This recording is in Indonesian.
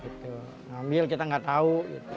kita ngambil kita gak tau